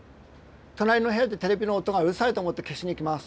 隣の部屋でテレビの音がうるさいと思って消しに行きます。